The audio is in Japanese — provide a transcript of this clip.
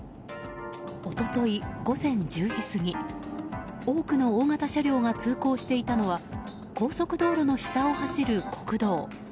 一昨日、午前１０時過ぎ多くの大型車両が通行していたのは高速道路の下を走る国道。